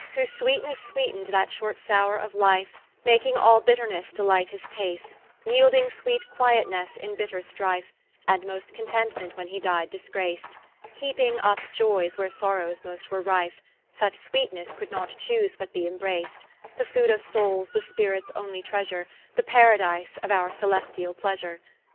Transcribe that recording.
Whose sweetnesse sweet'ned that short sowre of Life, Making all bitternesse delight his taste, Yeelding sweet quietnesse in bitter strife, And most contentment when he di'd disgrac'd; Heaping vp joyes where sorrows were most rife; Such sweetnesse could not choose but be imbrac'd: The food of Soules, the Spirits onely treasure, The Paradise of our celestiall pleasure.